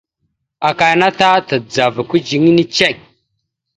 Aka yana ta tadzava kudziŋine cek.